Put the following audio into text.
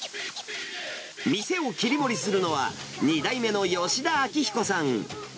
店を切り盛りするのは、２代目の吉田明彦さん。